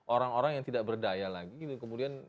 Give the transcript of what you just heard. orang orang yang tidak berdaya lagi dan kemudian